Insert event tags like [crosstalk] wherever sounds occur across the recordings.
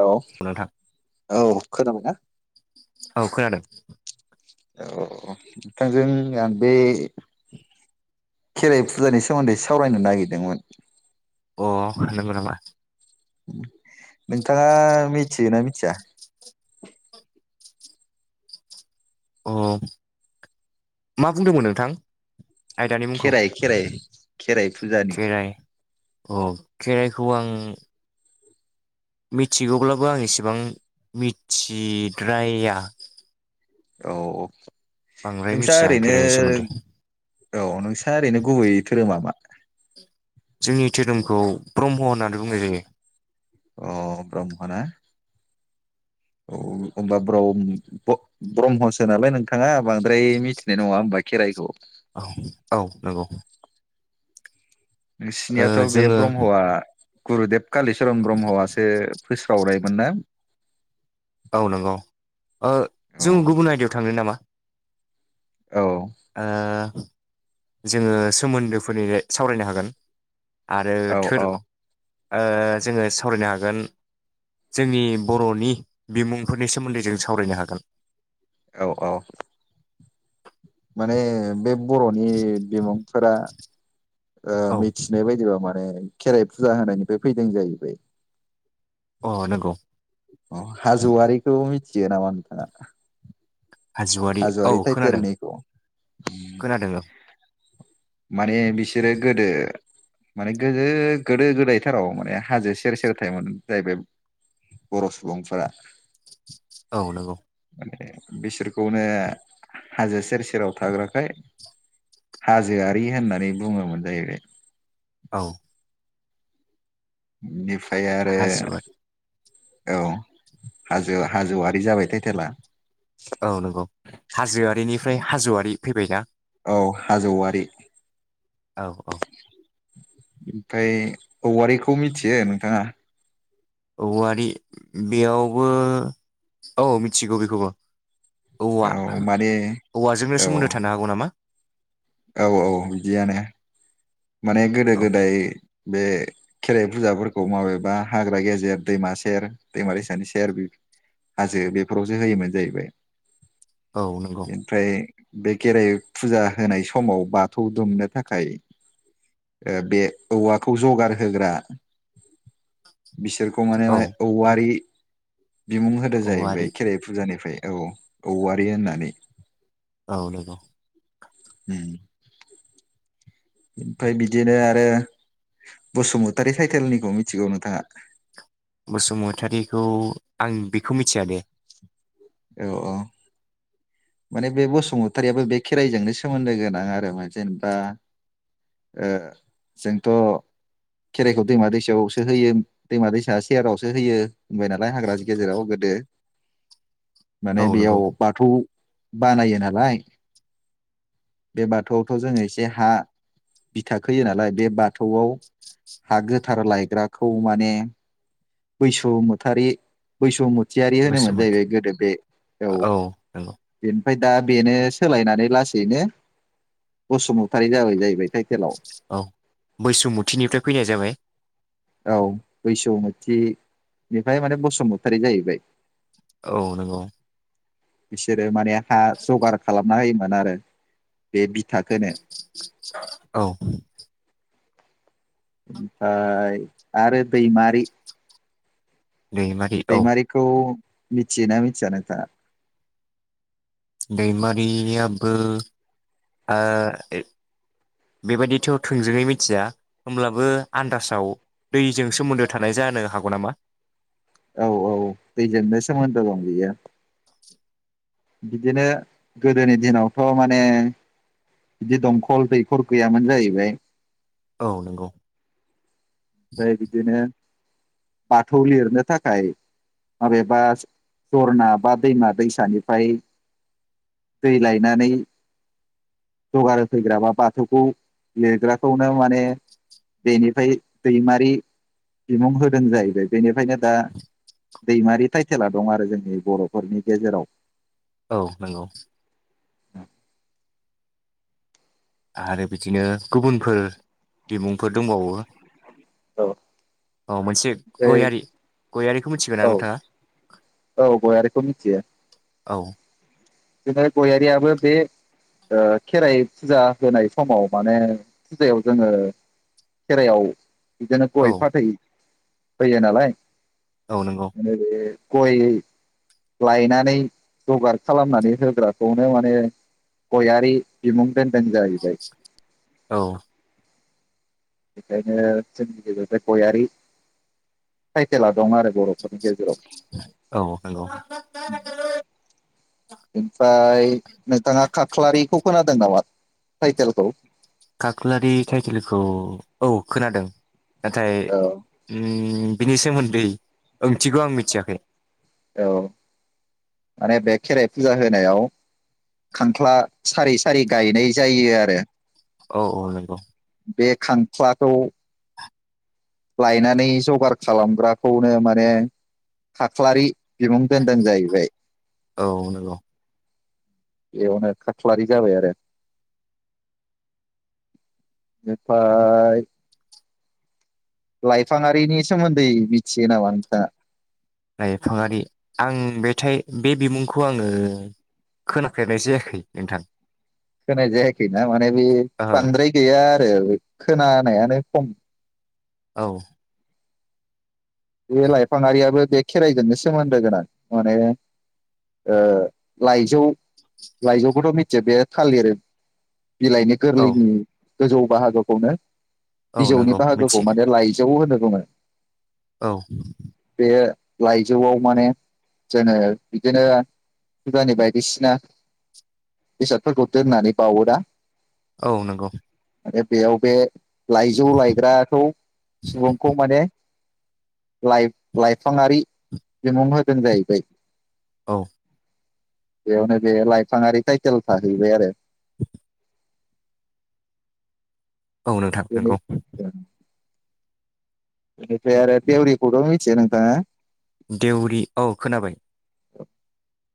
औ नोंथां औ खोनाबायना औ खानादों औ औ नोंथांजों आं बे खेराइ फुजानि सोमोन्दै सावरायनो नागिरदोंमोन अ होनांगौ नामा नोंथाङा मिथियोना मिथिया अ मा बुंदोंमोन नोंथां आयदानि मुंखौ खेराइ खेराइ खेराइ फुजानि ओ खेराइखौ आं मिथिगौब्लाबो आं इसेबां मिथिद्राया औ बांद्राय नोंसा मिथिया आं ओरैनो खेराइनि सोमोन्दै औ नोंसा ओरैनो गुबै धोरोमा मा? जोंनि धोरोमखौ ब्रह्म होननानै बुंनाय जायो। अ ब्रह्म ना औ होनोमबा ब्रम ब्रहमसो नालाय नोंथाङा बांद्राय मिथिनाय नङा होनबा खेराइखौ औ औ नंगौ ओ नोंसिनियाथ' बे जोङो ब्रह्मआ गुरुदेब कालिचरन ब्रह्मआसो फोस्रावनायमोन ना? औ नंगौ ओ औ जों गुबुन आयदायाव थांनो नामा? औ आ जोङो सोमोन्दोफोरनि सावरायनो हागोन आरो औ थोर औ ओ जोङो सावरायनो हागोन जोंनि बर'नि बिमुंफोरनि सोमोन्दै जों सावरायनो हागोन। औ औ माने बे बर'नि बिमुंफोरा ओ औ मिथिनाय बायदिबा माने माने खेराइ फुजा होनायनिफ्राय फैदों जाहैबाय अ नंगौ अ हाजोवारिखौ मिथि थियो नामा नोंथाङा? हाजोवारि औ हाज'वारि खोनादों टाइटेलनिखौ खोनादों औ। माने बिसोरो गोदो माने गोदो गोदो गोदायथाराव माने हाजो सेर सेर थायोमोन जाहैबाय बर' सुबुंफोरा औ नंगौ। बे बिसोरखौनो ओ हाजो सेर सेराव थाग्राखाय हाज जोआरि होननानै बुङोमोन जाहैबाय। औ बिफ्राय आरो हाजोआरि औ हाजो हाजौवारि जाबाय टाइटेला औ नंगौ हाजोआरिनिफ्राय हाज'आरि फैबायना? औ हाज'वारि औ औ ओमफ्राय औवारिखौ मिथियो नोंथाङा? औवारि बेयावबो औ मिथिगौ बेखौबो औवा औ माने औवाजोंनो औ सोमोन्दो थानो हागौ नामा? औ औ बिदियानो माने गोदो औ गोदाय बे खेराइ फुजाफोरखौ माबेबा हाग्रा गेजेर दैमा सेर दैमा दैसानि सेर बि हाजो बेफोरावसो होयोमोन जाहैबाय। औ नंगौ बेनिफ्राय बे खेराइ फुजा होनाय स समाव बाथौ दुमनो थाखाय ओ बे औवाखौ जगार होग्रा बिसोरखौ माने औ माने औवारि बिमुं होदो औवारि जाहैबाय खेराइ फुजानिफ्राय औ औवारि होननानै औ नंगौ उम ओमफ्राय बिदिनो आरो बसुमतारि टाइटेलनिखौ मिथिगौ नोंथाङा? बसुमतारिखौ आं बेखौ मिथिया दे औ अ माने बे बसुमतारियाबो बे खेराइजोंनो सोमोन्दो गोनां आरो जेनेबा ओ जोंथ' खेराइखौ दैमा दैसायावसो होयो दैमा दैसा सेरावसो होयो होनबाय नालाय हाग्रानि गेजेराव गोदो औ माने नंगौ बेयाव बाथौ बानायो नालाय बे बाथौआवथ' जोङो एसे हा बिथा खोयो नालाय बे बाथौआव हा गोथार लायग्राखौ माने बैस'मुथारि बैस' मु थियारि होनो मोन बसुमतारि जाहैबाय गोदो औ नंगौ। ओमफाय दा बेनो सोलायनानै लासैनो बसुमतारि जाबाय जाहैबाय टाइटेलाव औ बैसुमुथिनिफ्राय फैनाय जाबाय। औ बैसौमुथिनिफ्राय माने बसुमतारी जाहैबाय। औ नंगौ। बिसोरो माने हा जगार खालामना होयोमोन। होनारो बे बिथाखोनो औ ओमफाय आरो दैमारि दैमारि औ दैमारिखौ मिथिनायो मिथिया नोंथांया? दैमारियाबो आ ए बेबायदिथ' थोंजोङै मिथिया होमब्लाबो आन्दासाव दैजों सोमोन्दो थानाय जानो हागौ नामा? औ औ दैजोंनो सोमोन्दो दं बियो बिदिनो गोदोनि दिनावथ' माने बिदि दंखल दैखर गैयामोन जाहैबाय औ नंगौ ओमफ्राय बिदिनो बाथौ लिरनो थाखाय माबेबा जरना बा दैमा दैसानिफ्राय दै लायनानै जगार होफैग्रा बा बाथौखौ लिरग्राखौनो माने बेनिफ्राय दैमारि बिमुं होदों जाहैबाय बेनिफ्रायनो दा दैमारि टाइटेला दं आरो जोंनि बर'फोरनि गेजेराव औ नंगौ [unintelligible] आरो बिदिनो गुबुनफोर बिमुंफोर दंबाओ औ मोनसे ओमफ्राय गयारि गयारिखौ मिथिबायना औ नोंथाङा? औ गयारिखौ औ बे दा गयारियाबो बे ओ खेराइ फुजा होनाय समाव माने फुजायाव जोङो खेराइायाव बिदिनो औ गय फाथै होयो नालाय औ नंगौ माने बे गय लायनानै जगार खालामनानै होग्राखौनो माने गयारि बिमुं दोनदोंजाहैबाय औ बेखायनो जोंनि गेजेरजों गयारि टाइटेला दं आरो बर'फोरनि औ नंगौ गेजेराव ओमफ्राय नोंथाङा खाख्लारिखौ खोनादों नामा? टाइटेलखौ? काख्लारि टाइटेलखौ औ खोनादों नाथाय औ उम बिनि सोमोन्दै ओंथिखौ आं मिथियाखै औ माने बे खेराइ फुजा होनायाव खांख्ला सारि-सारि गायनाय जायो आरो। औ औ नंगौ बे खांख्ला खौ लायनानै जगार खालामग्राखौनो माने खाख्लारि बिमुं दोनदों जाहैबाय। औ नंगौ बेयावनो खाख्लारि जाबाय आरो बेनिफ्राय लाइफाङारिनि सोमोन्दै मिथियो नामा नोंथाङा? लाइफाङारि आं बेथाय बे बिमुंखौ आङो खोनाफेरनाय जायाखै नोंथां। होनाय जायाखै ना माने बे ओ बांद्राय गैया। आरो खोनानायानो खम। औ बे लाइफाङारियाबो बे खेराइजोंनो सोमोन्दो गोनां माने ओ लाइजौ-लाइजौखौथ' मिथियो बे थालिर बिलाइनि औ गोरलैनि गोजौ बाहागोखौनो औ बिजौनि नंगौ बाहागोखौ मिथियो माने लाइजौ होनो बुङो औ बे लाइजौआव माने जोङो बिदिनो फुजानि बायदिसिना बेसादफोरखौ दोननानै बावो ना। औ नंगौ। आरो बेयाव बे लाइजौ लायग्राखौ सुबुंखौ माने लाइ-लाइफाङारि बिमुं होदों जाहैबाय। औ बेयावनो बे लाइफाङारि ताइतेल थाहैबाय आरो औ नोंथां बेनि नोंगौ। बिनिफ्राय आरो देवरिखौथ' मिथियो नोंथाङा? देउरि औ खोनाबाय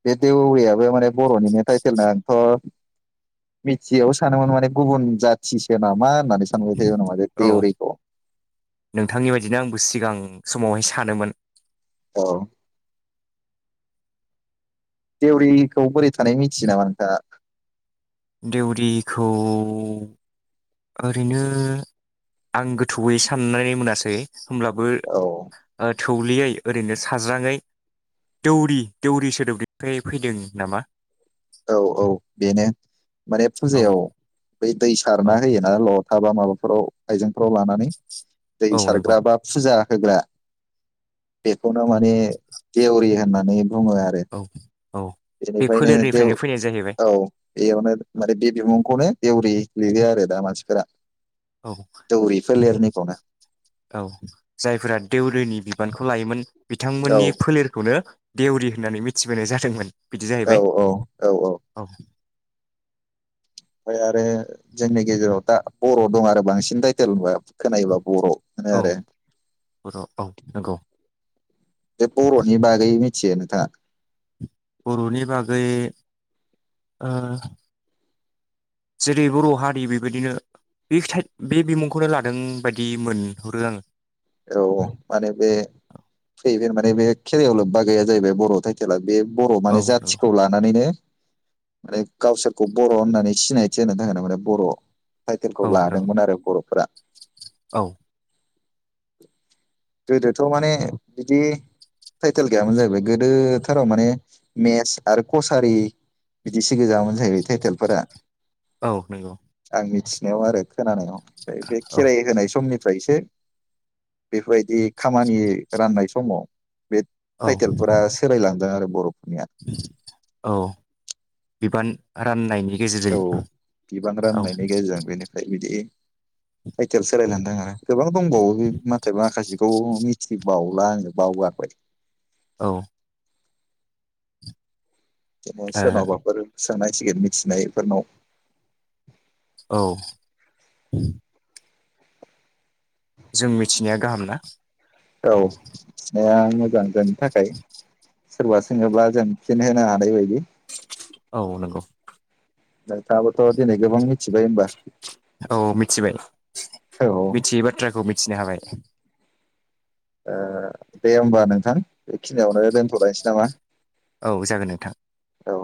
बे देउरियाबो माने बर'निनो टाइटेलनो आंथ' मिथियैयाव सानोमोन माने गुबुन जाथिसो नामा होननानै सानबाय थायोमोन नंङालै औ देउरिखौ। नोंथांनि बायदिनो आंबो सिगां समावहाय सानोमोन। औ देउरिखौ बोरै थानाय मिथियो नामा नोंथाङा? देउरिखौ ओरैनो आं गोथौयै साननानै मोनासै। होमब्लाबो औ ओ थौलेयै ओरैनो साज्राङै दौरि-दौरि सोदोबनिफ्राय फैदों नामा। औ-औ बेनो। माने औ फुजायाव बै दै सारना औ होयोना ल' थाबा माबाफोराव आइजें फोराव लानानै दै औ नंगौ सारग्रा बा फुजा होग्रा बेखौनो माने देउरि होन्नानै बुङो आरो औ औ बे बेनिफ्रायनो देउ फोलेरनिफ्रायनो औ फैनाय जाहैबाय बेेवनो माने बे बिमुंखौनो देउ लिरो आरोेदा मानसिफ्रा औ औ जायफोरा देउरिनि बि बिबानखौ लायोमोन औ बिथांमोननि फोलेरखौनो देउरि होननानै मिथिबोनाय जादोंमोन। बिदि जाहैबाय औ औ-औ-औ औ ओमफ्राय आरो जोंनि गेजेराव दा बर' दं आरो बांसिन टाइटेलफा। खोनायोल' बर' होनो औ आरो। बर' औ नंगौ बे बर'नि बागै मिथियो नोंथाङा? बर'नि बागै ओ जेरै बर' हारि बेबायदिनो बिख टा बि बिमुंखौनो लादों बायदि मोनहरो आंङो। औ माने बे फैयै फै माने बे खेरायाव लोब्बा गैया जाहैबाय बर' टाइटेला बे बर' माने आङो जाथिखौ लानानैनो माने गावसोरखौ बर' होननानै सिनायथि होनो थाखाय नो माने बर' टाइटेलखौ औ नंगौ औ नंगौ लादोंमोन आरो बर'फोरा औ गोदोथ' माने बिदि थाइटेल गैयामोन जाहैबाय गोदोथाराव माने मेस आरो कसारि बिदि सि गोजायामोन जाहैबाय थाइटेलफोरा। औ नंगौ मिथिनायाव आरो। खोनानायाव बे औ खेराइ होनाय समनि फ्रायसो बेफोरबायदि खामानि राननाय समाव बे औ टाइटेलफोरा सोलायलांदों आरो बर'फोरनिया औ बिबान राननायनि गेजेरजों औ बिबां औ राननायनि गेजेरजों बेनिफ्राय बिदि टाइटेल सोलायनानै थांङो गोबां दंबावो बे माथाय माखासेखौ मि ए बावला आङो बावगारबाय। औ से ओ सोनावबाफोर सोंनांसिगोन मिथिनायफोरनाव औ जों मिथिनाया गाहाम ना औ [unintelligible] [unintelligible] थाखाय सोरबा सोङोब्ला जों फिन होनो हानाय बायदि औ नंगौ नोंथांआबोथ' दिनै गोबां मिथिबाय होमबा। औ मिथिबाय औ ओ मिथियै बाथ्राखौ मिथि मिथिनो हाबाय ओ दे होमबा नोंथां। बेखिनियावनो दोनथ'लायनोसै नामा? औ जागोन नोंथां औ